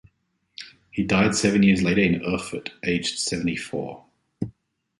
He died seven years later in Erfurt, aged seventy-four.